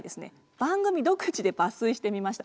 番組独自で抜粋してみました。